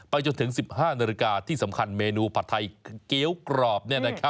จนถึง๑๕นาฬิกาที่สำคัญเมนูผัดไทยเกี้ยวกรอบ